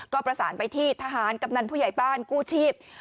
ก็ประสานไปที่ทหารกำนันผู้ใหญ่บ้านกู้ชีพ